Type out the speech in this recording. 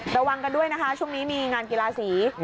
ระวังกันด้วยนะคะช่วงนี้มีงานกีฬาสี